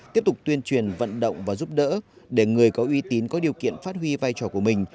tiếp tục tuyên truyền vận động và giúp đỡ để người có uy tín có điều kiện phát huy vai trò của mình